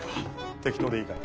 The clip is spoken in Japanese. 適当でいいから。